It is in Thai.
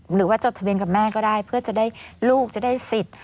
หรือว่าจดทะเบียนกับแม่ก็ได้เพื่อจะได้ลูกจะได้สิทธิ์